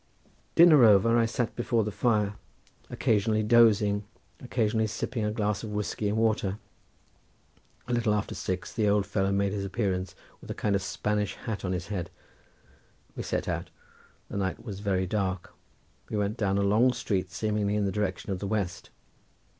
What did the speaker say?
Dinner over I sat before the fire occasionally dozing, occasionally sipping a glass of whiskey and water. A little after six the old fellow made his appearance with a kind of Spanish hat on his head. We set out, the night was very dark; we went down a long street seemingly in the direction of the west.